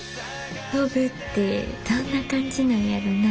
飛ぶってどんな感じなんやろな。